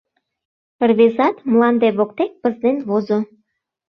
Рвезат мланде воктек пызнен возо.